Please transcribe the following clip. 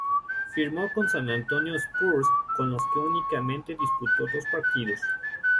Firmó con San Antonio Spurs, con los que únicamente disputó dos partidos.